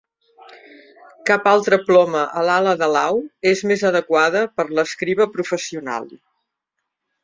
Cap altra ploma a l'ala de l'au és més adequada per l'escriba professional.